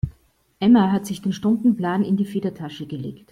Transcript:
Emma hat sich den Stundenplan in die Federtasche gelegt.